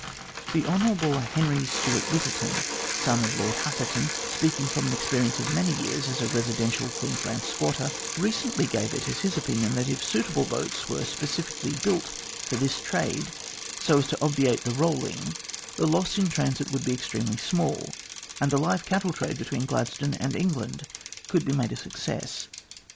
The Hon. Henry Stuart Littleton, son of Lord Hatherton, speaking from an experience of many years as a residential Queensland squatter, recently gave it as his opinion that, if suitable boats were specially built for this trade so as to obviate the rolling, the loss in transit would be extremely small, and the live cattle trade between Gladstone and England could be made a success.